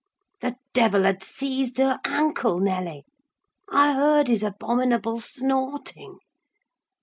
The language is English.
The devil had seized her ankle, Nelly: I heard his abominable snorting.